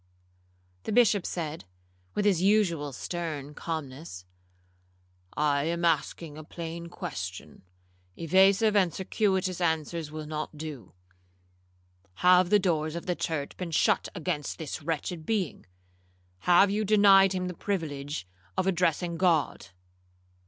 The Bishop said, with his usual stern calmness, 'I am asking a plain question—evasive and circuitous answers will not do. Have the doors of the church been shut against this wretched being?—have you denied him the privilege of addressing God?'